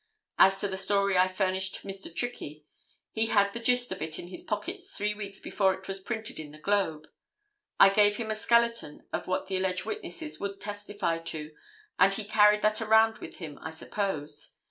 As to the story I furnished Mr. Trickey, he had the gist of it in his pocket three weeks before it was printed in the Globe. I gave him a skeleton of what the alleged witnesses would testify to, and he carried that around with him, I suppose.